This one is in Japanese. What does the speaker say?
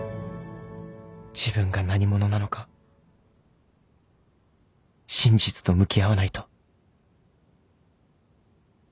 自分が何者なのか真実と向き合わないと